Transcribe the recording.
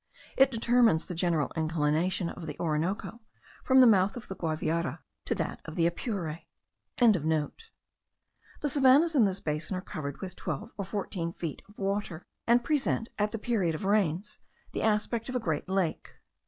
It determines the general inclination of the Orinoco, from the mouth of the Guaviare to that of the Apure.) The savannahs in this basin are covered with twelve or fourteen feet of water, and present, at the period of rains, the aspect of a great lake.